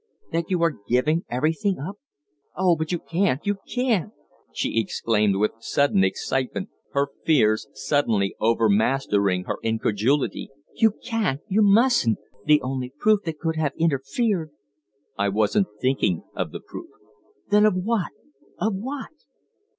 That you are giving everything up? Oh, but you can't! You can't!" she exclaimed, with sudden excitement, her fears suddenly overmastering her incredulity. "You can't! You mustn't! The only proof that could have interfered " "I wasn't thinking of the proof." "Then of what? Of what?"